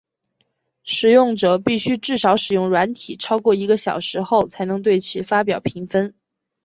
使用者必须至少使用软体超过一个小时后才能对其发表评分。